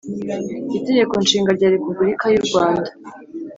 Itegeko Nshinga rya Repubulika y’U Rwanda